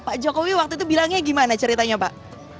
pak jokowi waktu itu bilangnya gimana ceritanya pak